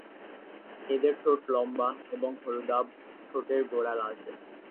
এদের ঠোঁট লম্বা এবং হলুদাভ, ঠোঁটের গোড়া লালাচে।